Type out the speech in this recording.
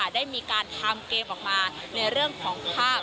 ได้มีการทำเกมออกมาในเรื่องของภาพ